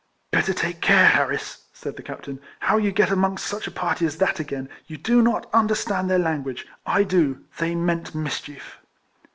" Better take care, Harris," said the captain, "how you get amongst such a party as that again. You do not understand their language ; I do: they meant mischief."